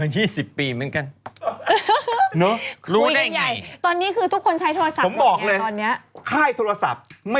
ยิงแก